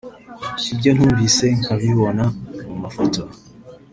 ibyo ntumvise nkabibona mu mafoto